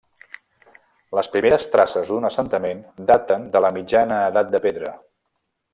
Les primeres traces d'un assentament daten de la mitjana Edat de pedra.